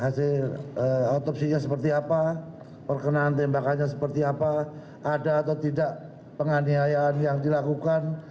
hasil otopsinya seperti apa perkenaan tembakannya seperti apa ada atau tidak penganiayaan yang dilakukan